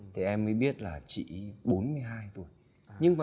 thì em mới biết là chị bốn mươi hai tuổi